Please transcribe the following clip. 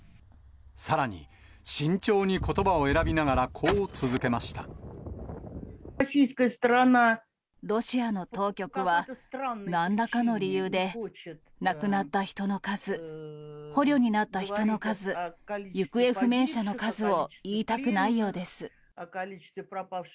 さらに、慎重にことばを選びながロシアの当局は、なんらかの理由で亡くなった人の数、捕虜になった人の数、行方不明者の数を言いたくないようです。